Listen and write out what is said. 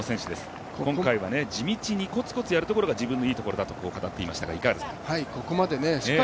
今回は地道にコツコツやるところが自分のいいところだと語っていましたがいかがですか？